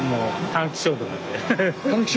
短期勝負。